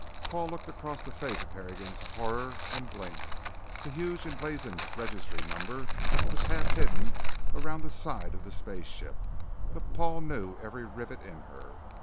Paul looked across the face of Harrigan's Horror, and blinked. The huge emblazoned registry number was half hidden around the side of the space ship, but Paul knew every rivet in her.